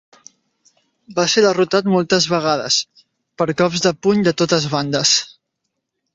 Va ser derrotat moltes vegades, per cops de puny de totes bandes.